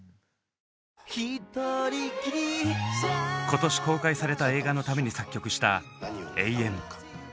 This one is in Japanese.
今年公開された映画のために作曲した「永遠」。